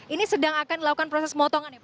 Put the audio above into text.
ini sedang akan dilakukan proses pemotongan ya pak